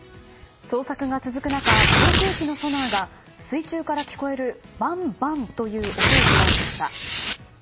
捜索が続く中航空機のソナーが水中から聞こえるバンバンという音を捉えました。